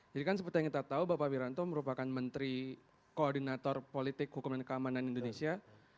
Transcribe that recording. jadikan seperti kita tahu bapak biranto merupakan menteri koordinator politik hukuman keamanan indonesia